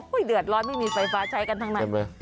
หุ้ยเดือดร้อนไม่มีไฟฟ้าใช้กันทั้งนั้น